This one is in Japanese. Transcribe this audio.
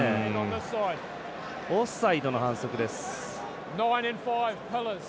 オフサイドの反則です。